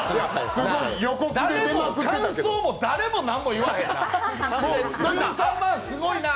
誰も感想も誰も何も言わんな。